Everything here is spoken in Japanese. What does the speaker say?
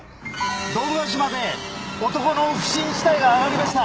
堂ヶ島で男の不審死体が上がりました。